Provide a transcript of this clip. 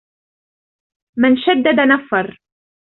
مَنْ شَدَّدَ نَفَّرَ